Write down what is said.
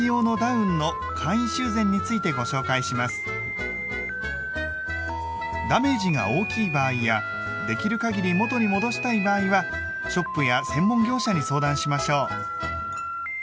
今回はダメージが大きい場合やできる限り元に戻したい場合はショップや専門業者に相談しましょう。